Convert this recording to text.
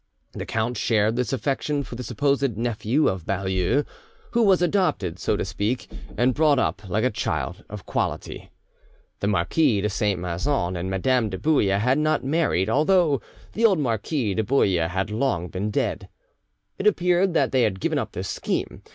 The count shared this affection for the supposed nephew of Baulieu, who was adopted, so to speak, and brought up like a child of quality. The Marquis de Saint Maixent and Madame de Bouille had not married, although the old Marquis de Bouille had long been dead. It appeared that they had given up this scheme.